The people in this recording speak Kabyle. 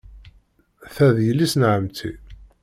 Ta d yelli-s n ɛemmti.